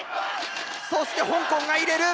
そして香港が入れる！